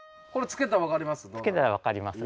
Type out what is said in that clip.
つけたら分かります。